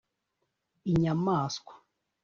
inyamaswa